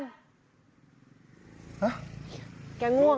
ไงก็ง่วง